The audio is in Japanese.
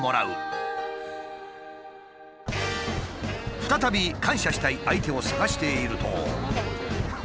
再び感謝したい相手を探していると。